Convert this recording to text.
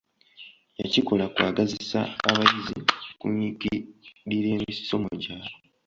Yakikola kwagazisa abayizi okunyikirira emisomo gyabwe.